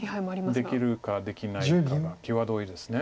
できるかできないかは際どいです。